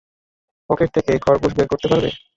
Pocket থেকে খরগোশ বের করতে পারবে?